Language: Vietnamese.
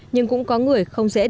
nhưng cũng có người không dễ đánh